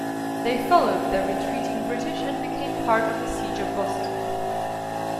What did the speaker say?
They followed the retreating British, and became part of the Siege of Boston.